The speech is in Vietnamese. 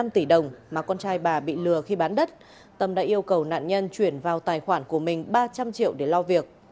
tâm đã yêu cầu nạn nhân chuyển vào tài khoản của mình ba trăm linh triệu để lo việc